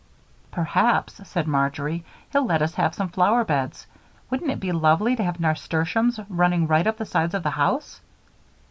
"Perhaps," said Marjory, "he'll let us have some flower beds. Wouldn't it be lovely to have nasturtiums running right up the sides of the house?"